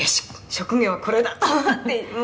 職業これだ！と思ってもう」